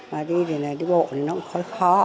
mà đi thì đi bộ nó cũng khó